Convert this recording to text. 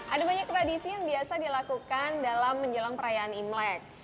ada banyak tradisi yang biasa dilakukan dalam menjelang perayaan imlek